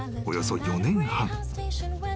およそ４年半］